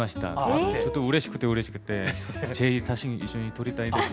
うれしくてうれしくて「是非写真一緒に撮りたいです」